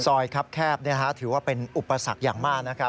ครับแคบถือว่าเป็นอุปสรรคอย่างมากนะครับ